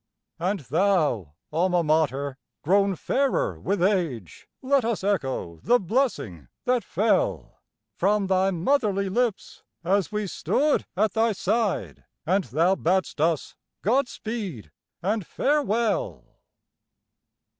And thou, Alma Mater, grown fairer with age, Let us echo the blessing that fell From thy motherly lips, as we stood at thy side, And thou bad'st us God speed and Farewell.